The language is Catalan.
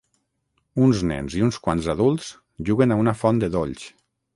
Uns nens i uns quants adults juguen a una font de dolls.